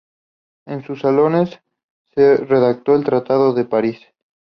En sus salones se redactó el Tratado de París.